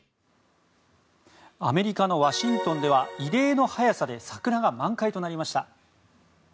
アメリカのワシントンでは異例の早さで桜が満開となりました。